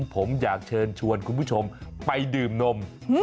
ผมอยากเชิญชวนคุณผู้ชมไปดื่มนม